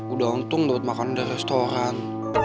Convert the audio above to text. udah untung buat makanan dari restoran